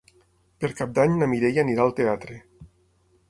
Per Cap d'Any na Mireia anirà al teatre.